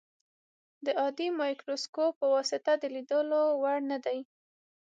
د عادي مایکروسکوپ په واسطه د لیدلو وړ نه دي.